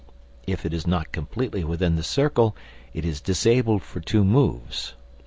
If it is not completely within the circle, it is disabled for two moves.